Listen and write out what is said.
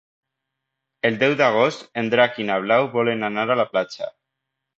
El deu d'agost en Drac i na Blau volen anar a la platja.